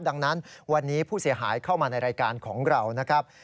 ดังนั้นวันนี้ผู้เสียหายเข้ามาในรายการของเรานะครับ